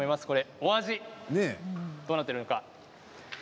お味どうなっているのか